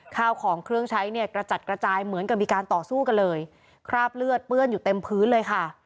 ข้าวของเครื่องใช้เนี่ยกระจัดกระจายเหมือนกับมีการต่อสู้กันเลยคราบเลือดเปื้อนอยู่เต็มพื้นเลยค่ะ